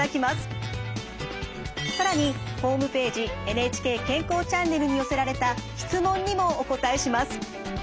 「ＮＨＫ健康チャンネル」に寄せられた質問にもお答えします。